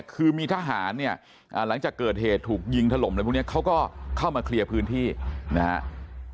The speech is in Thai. คือมีทหารเนี่ยหลังจากเกิดเหตุถูกยิงถล่มอะไรพวกนี้เขาก็เข้ามาเคลียร์พื้นที่นะครับ